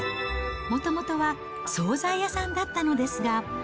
もともとは総菜屋さんだったのですが。